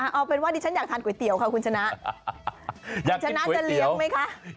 เอาเป็นว่าดิฉันอยากทานก๋วยเตี๋ยวค่ะคุณชนะ